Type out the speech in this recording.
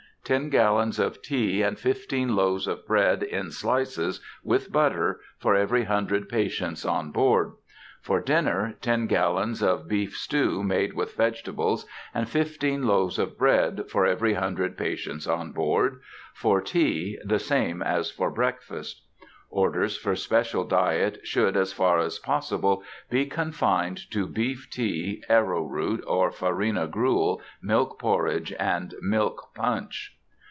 ten gallons of tea and fifteen loaves of bread in slices, with butter, for every hundred patients on board; for dinner, ten gallons of beef stew made with vegetables, and fifteen loaves of bread, for every hundred patients on board; for tea, the same as for breakfast. Orders for special diet should, as far as possible, be confined to beef tea, arrow root or farina gruel, milk porridge, and milk punch.